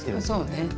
そうね。